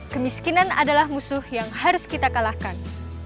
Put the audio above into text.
kemiskinan adalah musuh yang harus kita kalahkan